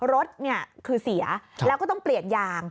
รถคือเสียแล้วก็ต้องเปลี่ยนยาง